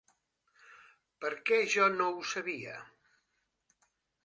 Per què jo no ho sabia?